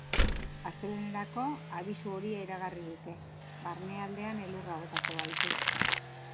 Astelehenerako abisu horia iragarri dute, barnealdean elurra botako baitu.